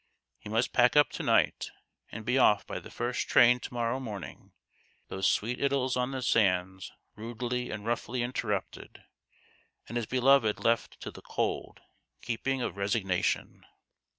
He must pack up to night and be off by the first train to morrow morning those sweet idyls on the sands rudely and roughly interrupted, and his beloved left to the cold keeping of resig nation.